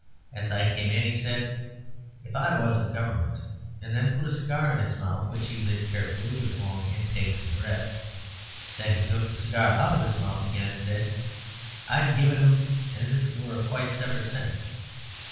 As I came in he said, "If I was the Government," and then put a cigar in his mouth which he lit carefully with long intakes of breath. Then he took the cigar out of his mouth again and said, "I'd give it 'em," as if it were quite a separate sentence.